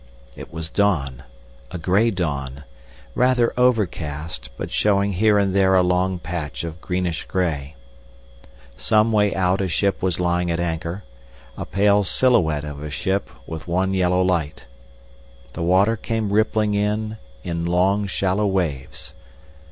It was dawn, a grey dawn, rather overcast but showing here and there a long patch of greenish grey. Some way out a ship was lying at anchor, a pale silhouette of a ship with one yellow light. The water came rippling in in long shallow waves.